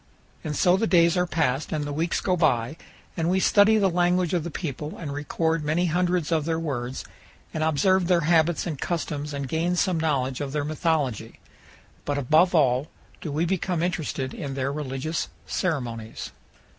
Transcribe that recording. And so the days are passed and the weeks go by, and we study the language of the people and record many hundreds of their words and observe their habits and customs and gain some knowledge of their mythology, but above all do we become interested in their religious ceremonies.